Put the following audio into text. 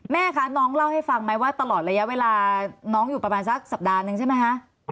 แม่คะน้องเล่าให้ฟังไหมว่าตลอดระยะเวลาน้องอยู่ประมาณสักสัปดาห์นึงใช่ไหมคะ